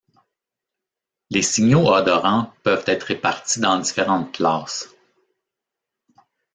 Les signaux odorants peuvent être répartis dans différentes classes.